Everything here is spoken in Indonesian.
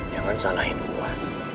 jangan salahin gue